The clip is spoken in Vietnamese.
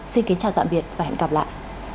xin kính chào tạm biệt và hẹn gặp lại